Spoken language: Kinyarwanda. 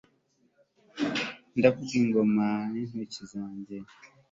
Ndavuza ingoma nintoki zanjye